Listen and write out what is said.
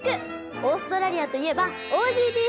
オーストラリアといえばオージー・ビーフ。